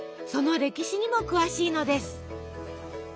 その歴史にも詳しいのです。